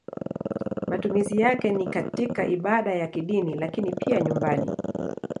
Matumizi yake ni katika ibada za kidini lakini pia nyumbani.